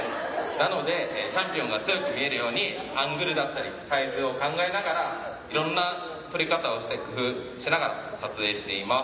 なのでチャンピオンが強く見えるようにアングルだったりサイズを考えながらいろんな撮り方をして工夫しながら撮影しています。